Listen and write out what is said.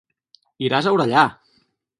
Iràs a Orellà!